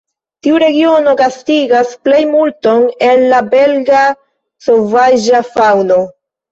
Tiu regiono gastigas plejmulton el la belga sovaĝa faŭno.